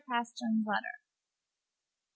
PASTERN'S LETTER. Mr.